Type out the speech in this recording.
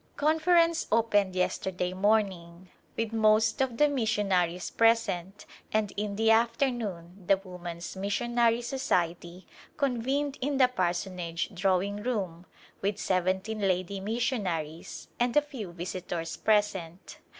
Conference opened vesterdav morning with most of the missionaries present and in the afternoon the Woman's Missionary Societv convened in the parson age drawing room with seventeen ladv missionaries and a (qw visitors present.